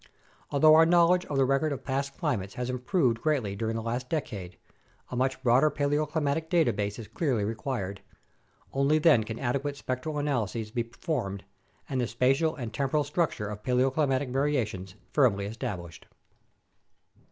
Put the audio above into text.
Although our knowledge of the record of past climates has improved greatly during the last decade, a much broader paleoclimatic data base is clearly required. Only then can adequate spectral analyses be per formed and the spatial and temporal structure of paleoclimatic variations firmly established.